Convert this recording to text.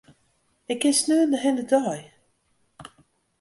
Ik kin saterdei de hiele dei.